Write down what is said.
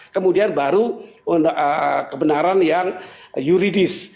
kemudian baru kebenaran yang yuridis